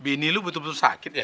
bini lu betul betul sakit ya